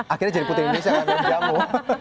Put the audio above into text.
akhirnya jadi putri indonesia yang minum jamu